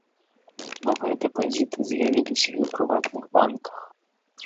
Новыя дэпазіты з'явіліся і ў прыватных банках.